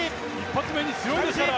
１発目に強いですから。